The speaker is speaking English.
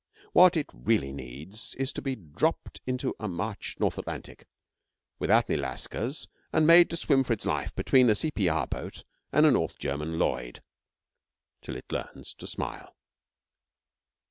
What it really needs is to be dropped into a March North Atlantic, without any lascars, and made to swim for its life between a C.P.R. boat and a North German Lloyd till it learns to smile.